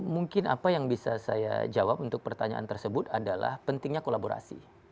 mungkin apa yang bisa saya jawab untuk pertanyaan tersebut adalah pentingnya kolaborasi